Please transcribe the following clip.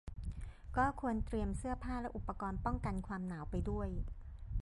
ก็ควรเตรียมเสื้อผ้าและอุปกรณ์ป้องกันความหนาวไปด้วย